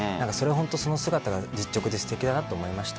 その姿が実直ですてきだと思いました。